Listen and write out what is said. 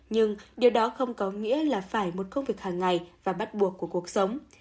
nhưng điều đó không có nghĩa là phải một công việc hàng ngày và bắt buộc của cuộc sống